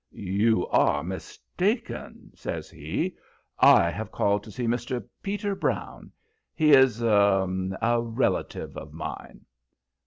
"You are mistaken," says he. "I have called to see Mr. Peter Brown; he is er a relative of mine."